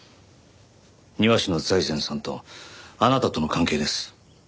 庭師の財前さんとあなたとの関係です。